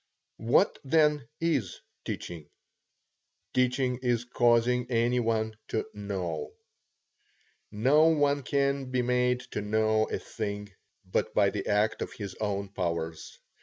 What, then, is teaching? Teaching is causing any one to know. Now no one can be made to know a thing but by the act of his own powers.